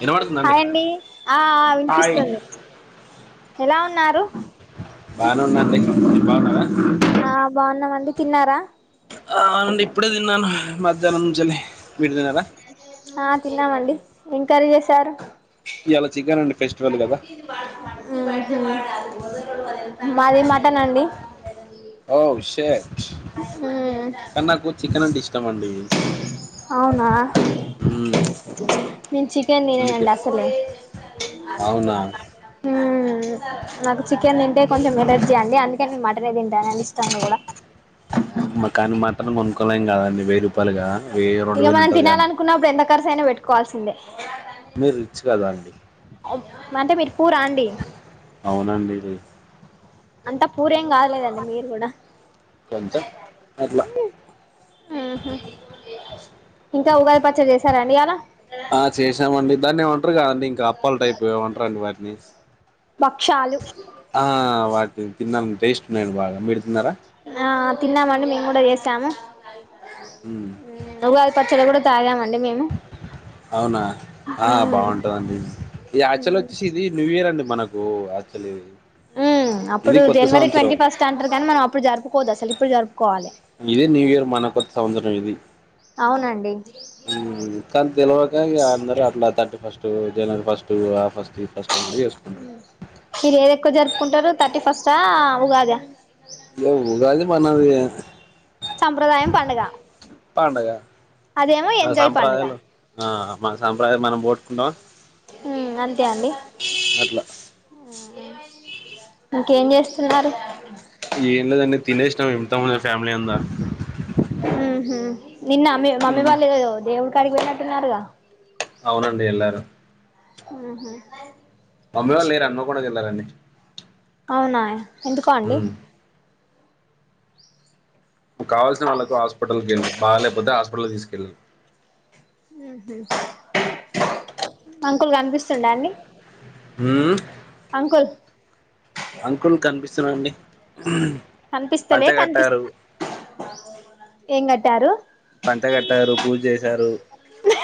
వినబడుతుందండి హాయ్ అండి ఆ ఆ హాయ్ వినిపిస్తుంది ఎలా ఉ న్నారు బానే ఉన్న అండి మీర్ బాగున్నారా ఆ బాగున్నామ్ అండి తిన్నారా ఆ అండి ఇప్పుడే తిన్నాను మధ్యాహ్నం నుంచెల్లి ఆ తిన్నామ్ అండి ఎం కర్రీ చేసారు ఇయాల చికెన్ అండి ఫెస్టివల్ కదా ఉహు మాది మటన్ అండి ఓ షట్ మ్మ్ కాని నాకు చికెన్ అంటె ఇష్టం అండి అవునా మ్మ్. నేను చికెన్ అందుకే తిననండి అసలే అవునా ఉ మ్ నాకు చికెన్ తింటే కొంచెం ఏల్లెర్జి అండి అందుకే నేను మటనే తింటాను అని ఇష్టం గుడా మ కాని మటన్ కొనుక్కోలేం గదా అండి వెయ్యి రూపాయలు గ వెయ్యో రెండు వేలు ఉంటది గ అండి కర్సు అయినా పెట్టుకోవాల్సిందే మీరు రిచ్ కదా అండి అంటే మీరు పూరా అండి అవునండి అంతా పూరేం కాద్ లేదండి మీరు గుడా కొంచెం అట్లా ఉహు ఇంకా ఉగాది పచ్చడి చేసారా అండి ఇయాల ఆ చేశామ్ అండి దాన్ని ఏమంటరు గ అండి ఇంకా అప్పల టైపు ఏమో అంటర్ అండి వాటిని భక్షాలు మేమ్ తిన్నామ్ టేస్ట్ ఉన్నాయండి బాగా మీర్ తిన్నారా ఆ తిన్నామండి మేము గుడా చేసాము మ్మ్ ఉగాది పచ్చడి గుడా ఎమో అవునా ఆ బాగుంటదండి ఈ యాచ్చువల్ వొచ్చి ఇది న్యూ ఇయర్ అండి మనక్ గొ ఆచలి ఉ అప్పుడు జనవరి ట్వంటీ ఫస్ట్ అంటరు కానీ మనం అప్పుడు జరుపుకోవద్దు అసలు ఇప్పుడు జరుపుకోవాలె ఇదే న్యూ ఇయర్ మన కొత్త సంవసరం ఇది అవునండి మ్ కానీ తెలువక ఇగ అందరు అట్లా థర్టీ ఫస్ట్ జనవరి ఫస్ట్ ఆ ఫస్ మీరు ఏది ఎక్కువ జరుపుకుంటారు థర్టీ ఫస్టా ఉగాదా లెవ్ ఉగాది మనదే సంప్రదాయం పండగ పండగ ఆ పండుగ సంప్రదయాలు ఆ మన సంప్రదయాలు మనం పోట్టుకుంటామా ఉ అంతే అండి అట్లా ఆహా ఇంకేం చేస్తున్నారు ఏం లేదండి తినేసినాం ఇంతకముందే ఫ్యామిలీ అందా మ్మ్ హ్మ్ నిన్న మి మమ్మీ హ్మ్. వాళ్ళు ఏదో దేవుడి కాడికి పోయినట్టు ఉన్నారుగా అవునండి ఎళ్లారు ఆహా తమ్ముడాళ్ళు లేరు హాన్మకొండ కి వెళ్లారు అండి అవునా ఎందుకో అండి కావాల్సిన వాళ్ళకు హాస్పిటల్కి వెళ్ళి బాలేకపోతే హాస్పిటల్కి తీసుకెళ్ళి ఉహు అంకుల్ కనిపిస్తుండ అండి అంకుల్ అంకుల్ కనిపిస్తున్నా అండి పంచ కనిపిస్తలే కనిపిస్ కట్టారు ఏం కట్టారు పంట కట్టారు. పూజ చేసారు.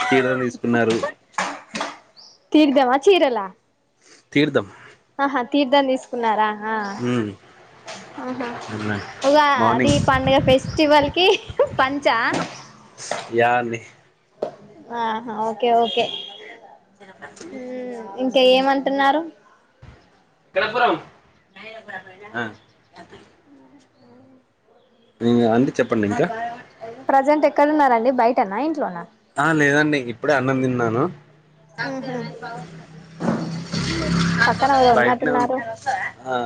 తీర్థం తీసుకున్నారు. తీర్దమా చీరలా తీర్ధం ఆహా తీర్థం తీసుకున్నారా ఆ ఆహా ఇగ అది మార్నింగ్ పండుగ ఫెస్టివల్ కి పంచ యా అండి ఆహా ఓకే ఓకే [unintelligible] ఇంకే ఏమంటున్నారు ఎక్కడపురం అండి చెప్పండి ఇంకా ప్రజెంట్ ఎక్కడున్నారండి బైటన ఇంట్లోనా ఆ లేదండి ఇప్పుడే అన్నం తిన్నాను. ఉహు పక్కన ఎవరో బయటన ఉన్నట్టున్నారు ఉ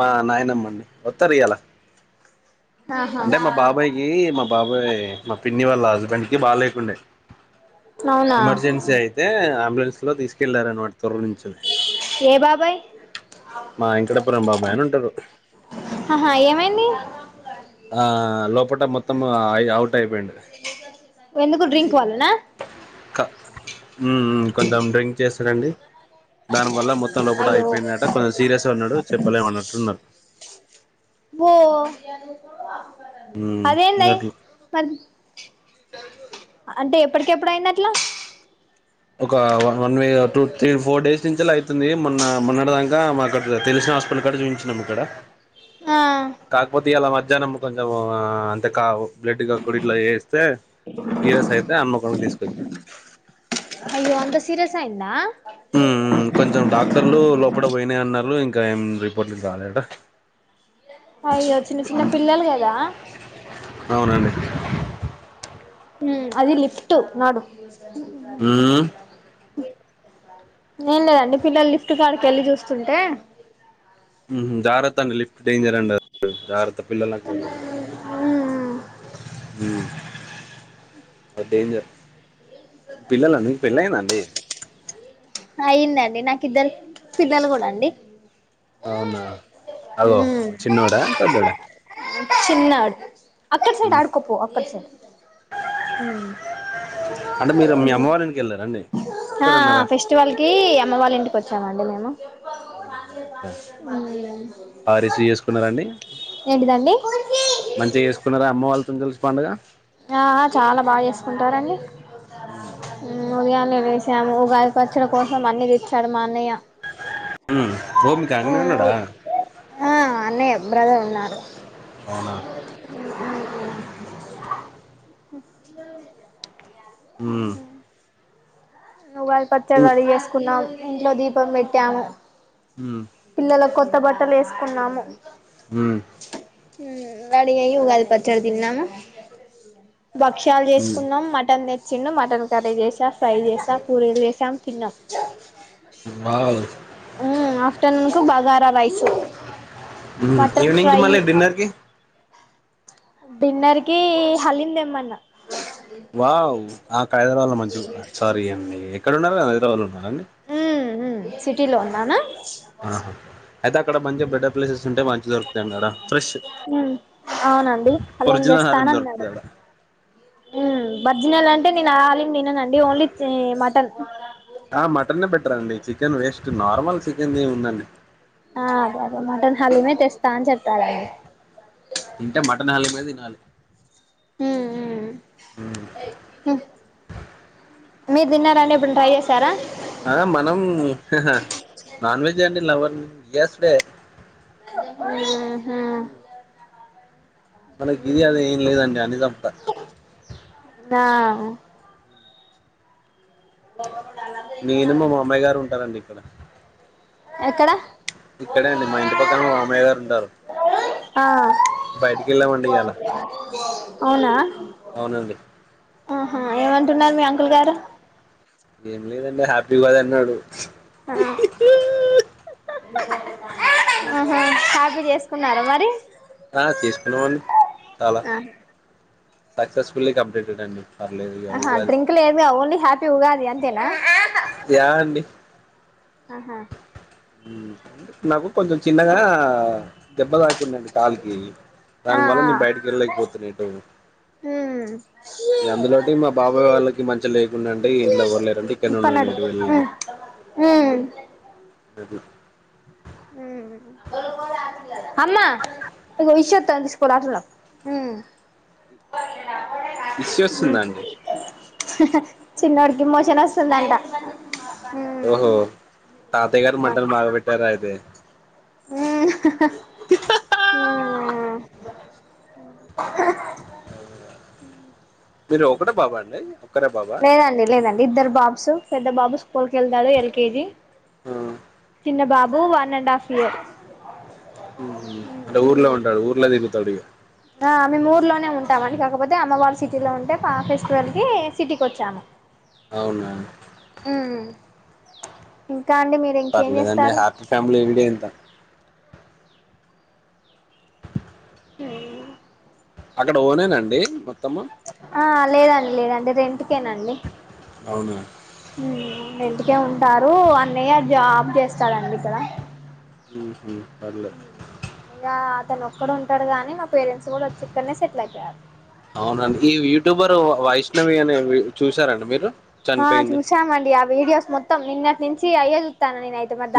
మా నాయనమ్మ అండి. ఒత్తారియాలా ఆహా అంటే మా బాబాయికి మా బాబాయ్ మా పిన్ని వాళ్ళ హస్బెండ్ కి బా లేకుండే అవునా ఎమర్జెన్సీ అయితే అంబులెన్స్ లో తీసుకెళ్లారనమాట త్వర నుంచి ఏ బాబాయ్ మా ఏంకటాపురం బాబాయ్ అని ఉంటరు ఆహా ఏమైంది ఆ లోపల మొత్తం అవుట్ అయిపోయిండు ఎందుకు డ్రింక్ వలన క హ్మ్ మ్ కొంచెం డ్రింక్ చేస్తారండీ దాని వల్ల మొత్తం లోపల అయ్యో అయిపోయిందట కొంచెం సీరియస్ గా ఉన్నడు. చెప్పలేము అన్నట్లున్నారు బొ అదేంది అయి అట్లా మ అంటే ఎప్పటికి ఎప్పుడుయిందట్లా ఒక వ వన్ వ టూ త్రీ ఫోర్ డేస్ నుంచిలా అయితుంది. మొన్న మొన్నటదంకా మాకు తెలుస్ హాస్పిటల్ కాడ చూయించినం ఇక్కడ ఆ కాకపోతే ఇయాల మధ్యాహ్నం కొంచెం అంత కా బ్లడ్ కాకూడ ఇలా చెస్తే సీరియస్ అయితే హన్మకొండ తీసుకొచ్చి అయ్యో అంత సీరియస్ అయిందా హుమ్ హ్మ్ కొంచెం డాక్టర్లు లోపట పోయినాయి అన్నారు. ఇంకా ఏం రిపోర్ట్లు రాలేట అయ్యో చిన్న చిన్న పిల్లలు కదా అవునండి హ్మ్ అది లిప్ట్ నాడు మ్మ్ సర్లే ఏం లేదండి పిల్లలు లిఫ్ట్ కాడికి వెళ్ళి చూస్తుంటే హుమ్ జాగ్రత్త అండి లీఫ్ డేంజర్ అండి అది జాగ్రత్త పిల్లలు అక్కడ ఉమ్ హ్మ్ అది డేంజర్ పిల్లల మీకు పెళ్లయిందా అండి. నాకు ఇద్దరు పిల్లలు కూడా అండి. అవునా అగొ చిన్నోడ పెద్దోడ చిన్నడ్ అక్క అచ్చింద్ ఆడుకోపో అక్క అచ్చింద్ మ్ అంటే మీరు మీ అమ్మ వాళ్ళ ఇంటికి వెళ్ళారండి ఆ ఇక్కడ ఆ ఉన్నారా ఫెస్టివల్కి అమ్మ వాళ్ళింటికి వచ్చామండి మేం మ్ మ్ బా రిసీవ్ చేస్కున్నారాండి ఏంటిదండి మంచిగా చేస్కున్నారా అమ్మో వాల్తోని కలిసి పండుగ ఆహా చాలా బాగా చేస్కుంటారండి. ఉ పొద్దుగాల్నే లేసాము ఉగాది పచ్చడ కోసం అన్ని దెచ్చాడు మా అన్నయ్య. మ్ ఓ మీక్ అన్నయున్నడా? ఆ అన్నయ్య బ్రదర్ ఉన్నాడు. అవునా మ్ ఉమ్ ఉగాది పచ్చడ రెడీ చేస్కున్నాం ఇంట్లో దీపం పెట్టాము. పిల్లలక్ కొత్త బట్టల్ ఏస్కున్నాము. మ్ హ్మ్ రెడీ అయ్యి ఉగాది పచ్చడి తిన్నాము. భక్ష్యాల్ చేస్కున్నాం మటన్ తెచ్చిండు మటన్ కర్రీ చేసా, ఫ్రై చేసా పూరీల్ చేసాం తిన్నం. వావ్ మ్ ఆఫ్టర్నూన్కు బగారా రైస్ మటన్ ఈవ్నింగ్కి ఫ్రై మళ్ళీ డిన్నర్కి డిన్నర్కీ హలీం తెమ్మన్న. వావ్ అక్కడ్ హైదరాబాద్ల మంచిగు సారీ అండీ ఎక్కడున్నారు హైదరాబాద్లో ఉన్నారా అండి. మ్ మ్ సిటీలో ఉన్నానా ఆహా అయితే అక్కడ మంచిగ బెటర్ ప్లేసెస్ ఉంటే మంచిగ్ దొరుకుతాయన్నాడ ఫ్రెష్ ఉమ్ అవునండి హలీం ఒరిజినల్ దెస్తా అన్ అన్నాడు దొరుకుతుంది ఆడ మ్ బర్జినలం అంటే నేన్ ఆ అలీం తిననండి ఓన్లీ చి మటన్ ఆ మటనే బెటర్ అండి చికెన్ వేస్ట్ నార్మల్ చికెన్ దేముందండి. ఆ అదే అదే మటన్ హలీమే తెస్తా అన్ చెప్పారండి. తింటే మటన్ హాలీమే తినాలి. హ్ మ్ హ్ మీర్ తిన్నరా అండి ఎప్పుడన్న ట్రై చేసారా? ఆ మనం హ హ నాన్ వెజ్ అండి లెవర్ యస్ డే మ్ హ్ మనకి ఇది అని ఏం లేదండి అని సంప్త. ఆ హలో నేను మా మామయ్య గారు ఉంటారండి ఇక్కడ ఎక్కడ? ఇక్కడే అండి మా ఇంటి పక్కన మా మామయ్య గార్ ఉంటారు. బయటికి వెళ్ళామండి ఇయాల ఆ అవునా అవునండి. ఆహా ఏమంటున్నారు మీ అంకుల్ గారు ఏం లేదండి హ్యాపీ ఉగాదన్నాడు. ఆ ఆహా హ్యాపీ జేస్కున్నారా మరి ఆ చేస్కున్నామండి చాలా సక్సెస్ఫుల్లీ కంప్లీటెడండి. అహ డ్రింక్ లేదుగా ఓన్లీ హ్యాపీ ఉగాది అంతేనా యా అండి. ఆహా హ్మ్ నాకు కొంచెం చిన్నగా దెబ్బ తా కుందండి కాల్కి ఆ దానివల్ల ఆ నే బయటకెళ్ళేకపోతున్నా ఎటూ అందులోటి మా బాబాయ్ వాళ్ళకి మంచి లేకుండా అంటే ఇంట్లోలేరండీ ఇక్కన్నే ఉ హూ అమ్మా ఇగో ఈ షట్ [unintelligible] మ్ మిస్సి వస్తుందా అండి. చిన్నోడ్కి మోషన్ వస్తుందంట. ఉమ్ ఓహో తాతయ్య గారు మంటలు బాగా పెట్టారా అయితే ఉ ఊ మీరు ఒకటే బాబ అండి ఒక్కరే బాబా లేదండి లేదండి ఇద్దరు బాబ్సు పెద్ద బాబు స్కూల్కి ఎళ్తాడు ఎల్కేజీ చిన్న బాబు వన్ అండ్ హాఫ్ ఇయర్ అంటే ఊర్లో ఉంటాడు ఊర్లో తిరుగుతాడు ఇగ ఆ మేము ఊర్లోనే ఉంటామ్ అండి కాకపోతే అమ్మవాళ్లు సిటీలో ఉంటే పా ఫెస్టివల్ కి సిటీకి ఓచ్చాము అవునా హ్మ్ ఇంకా అండి మీరు ఇంకేం పర్లేదండి చేస్తారు హ్యాపీ ఫ్యామిలీ వీడియో ఇంత ఉ అక్కడ ఓనేనండి మొత్తము ఆ లేదండి లేదండి రెంట్ కె అండి అవునా రెంటికే ఉంటారు అన్నయ్య జాబ్ చేస్తాడండి ఇక్కడ మ్మ్ పర్లే ఇంగ అతను ఒక్కరు ఉంటాడు గాని మా పేరెంట్స్ కూడా ఓచ్చి ఇక్కడ్నె సెటిల్ అయిపోయారు తుబరు వైష్ణవి అనే వె ఆ చూసామండి ఆ వీడియోస్ మొత్తం నిన్నటి నుంచి ఆయె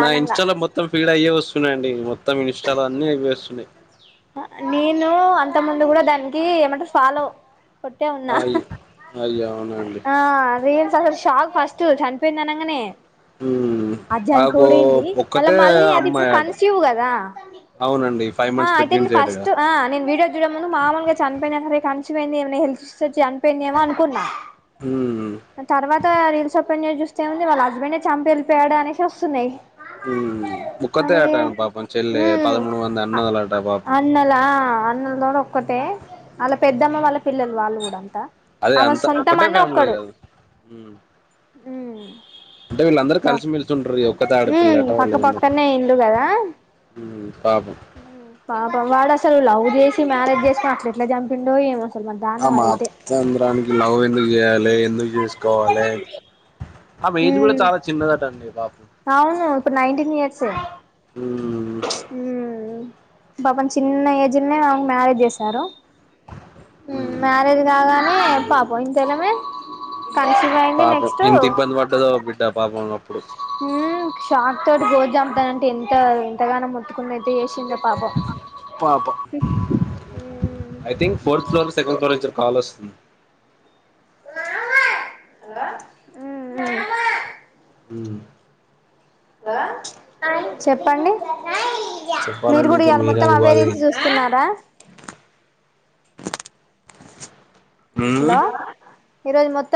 నా ఇన్స్టలో మొత్తం ఫీడ్ అయ్యే వస్తున్నాయిండి మొత్తం ఇన్స్టాల అన్ని ఇవే ఓసున్నాయి నేను అంత ముందు కూడా దానికి ఏమంటారు ఫాలో ఓటే ఉన్నా అయి అయ్య అవునండి ఆ అది అసల్ షాక్ ఫస్ట్ చనిపోయింది అనగానే మ్మ్ అడ్ ఆకు చంపోదేందీ మళ్ళా ఒక్కతే మళ్ళీ అది ఇప్పుడు అమ్మాయి అట కన్సీవ్ కదా అవునండి ఫైవ్ ఆ మంత్స్ అయితే నేను ప్రెగ్నెన్సీ అటగా ఫస్ట్ ఆ నేను వీడియో చూడడం ముందు మామూలుగా చనిపోయిన హరే కన్సీవ్ అయిందిఏమన ఇస్సుఎస్ వచ్చి చనిపోయిండెమో అనుకున్నా మ్మ్ అ తర్వాత రీల్స్ పెన్ చేసి చూస్తే ఎం ఉంది వాళ్ల హస్బెండే చంపి ఏలిపోయాడానేసి ఒస్తున్నాయి హ్మ్ ఒక్కతే అంట ఆమె పాపం చెల్లె పదమూడు వందా అ అన్నలా అన్నల్ డొలో ఒక్కతే ఆళ్ల పెద్దమ్మ వాళ్ళ పిల్లలు వాళ్ళు కూడా అంత అదే ఆమె అంత సొంత ఒకటే మాన్న ఫ్యామిలీ ఒక్కడు కాదు మ్మ్ అంటే వీళ్ళందరూ కలిసిమెలిసి ఉంటారు ఈ ఒక్కతే ఆడపిల్లట పక్కపక్కనే ఇల్లు కదా హ్మ్ పాపం పాపం వాడ్ అసల్ లవ్ చేసి మ్యారేజ్ చేస్కో అట్లేట్ల చంపిండో ఏమో అసలు మరి ఆ దారుణం అదైతే మాత్రం రానికి లవ్ ఎందుకు చేయాలి ఎందు చేసుకోవాలి ఆమె ఏజ్ కూడా ఉమ్ చాలా చిన్నది అంటాడండి పాపం అవును ఇప్పుడ్ నైన్టీన్ ఇయర్సె హ్మ్ ఉమ్మ్ పాపం చిన్న ఏజ్నే ఆమెక్ మ్యారేజ్ చేసారు హ్మ్ మ్యారేజ్ కాగానే పాపం ఇంతలనే కన్సివ్ అయింది పాపం నెక్స్తు ఎంత ఇబ్బంది పడ్డదో బిడ్డ పాపం అప్పుడు హ్మ్ షాక్ తోట్ గోస్ జమ్తనంటే ఎంత ఎంతగానం మొట్తుకున్న ఎంత ఎసిందొ పాపం పాపం I think fourth floor second ఫ్లోర్చ కాల్ ఓసుంది ఉ ఉ చెప్పండి మీరు చెప్పాలండి కూడా ఇంకా ఇవాళ మీరే మొత్తం అవే ఉగాది రీల్స్ చూస్తున్నారా హ్మ్ హలో ఈరోజ మొత్తం